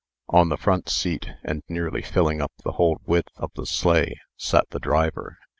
On the front seat, and nearly filling up the whole width of the sleigh, sat the driver.